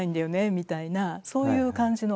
みたいなそういう感じの。